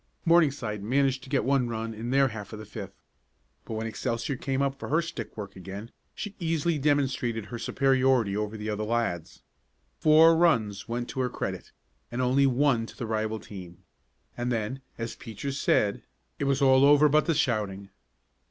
Morningside managed to get one run in their half of the fifth, but when Excelsior came up for her stick work again she easily demonstrated her superiority over the other lads. Four runs went to her credit, and only one to the rival team, and then, as Peaches said, "it was all over but the shouting."